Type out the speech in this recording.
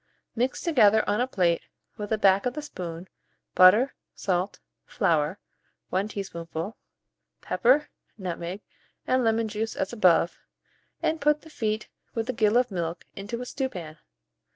Mix together, on a plate, with the back of a spoon, butter, salt, flour (1 teaspoonful), pepper, nutmeg, and lemon juice as above, and put the feet, with a gill of milk, into a stewpan.